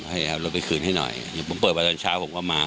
ให้เอารถไปคืนให้หน่อยผมเปิดมาตอนเช้าผมก็มา